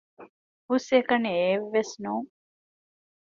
ހުސްއެކަނި އެއެއް ވެސް ނޫން